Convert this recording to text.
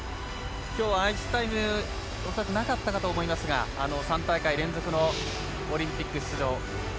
きょうはアイスタイム恐らくなかったと思いますが３大会連続のオリンピック出場。